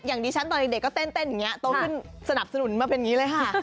อย่างดีฉันตอนเด็กก็เต้นอย่างนี้